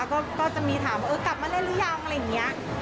ก็จะมีถามว่าเออกลับมาเล่นหรือยังอะไรอย่างนี้